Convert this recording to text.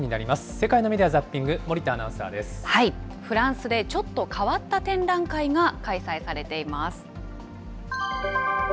世界のメディア・ザッピング、フランスでちょっと変わった展覧会が開催されています。